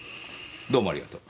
どうもありがとう。